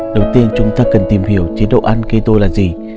đầu tiên chúng ta cần tìm hiểu chế độ ăn keo là gì